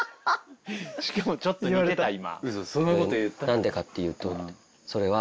「何でかっていうとそれは」。